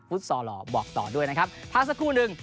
ซอลหล่อบอกต่อด้วยนะครับพักสักครู่หนึ่ง